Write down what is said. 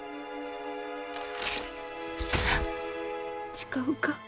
誓うか？